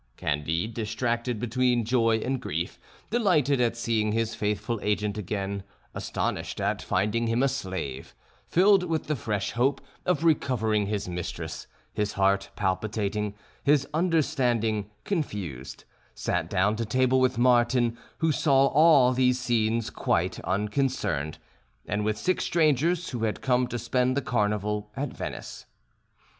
Candide, distracted between joy and grief, delighted at seeing his faithful agent again, astonished at finding him a slave, filled with the fresh hope of recovering his mistress, his heart palpitating, his understanding confused, sat down to table with Martin, who saw all these scenes quite unconcerned, and with six strangers who had come to spend the Carnival at Venice.